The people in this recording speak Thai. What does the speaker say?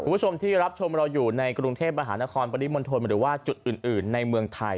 คุณผู้ชมที่รับชมเราอยู่ในกรุงเทพมหานครปริมณฑลหรือว่าจุดอื่นในเมืองไทย